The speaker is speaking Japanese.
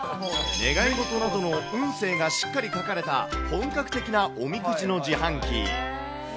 願い事などの運勢がしっかり書かれた本格的なおみくじの自販機。